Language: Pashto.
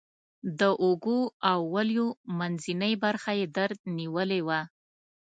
د اوږو او ولیو منځنۍ برخه یې درد نیولې وه.